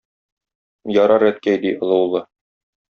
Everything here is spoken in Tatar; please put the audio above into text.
Ярар, әткәй, - ди олы улы.